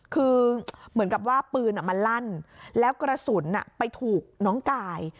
คือเหมือนกับว่าปืนมันลั่นแล้วกระสุนไปถูกน้องกาย